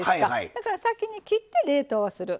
だから先に切って冷凍する。